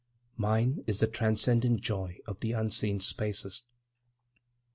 Mine is the transcendent joy of the unseen spaces.